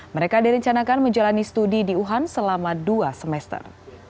mereka direncanakan menjalani studi di wuhan selama dua semester